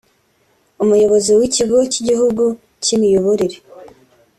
Umuyobozi w’Ikigo cy’Igihugu cy’imiyoborere